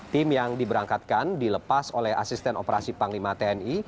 tim yang diberangkatkan dilepas oleh asisten operasi panglima tni